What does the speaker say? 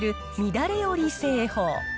乱れ織り製法。